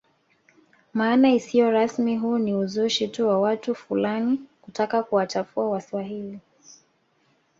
Maana isiyo rasmi huu ni uzushi tu wa watu fulani kutaka kuwachafua waswahili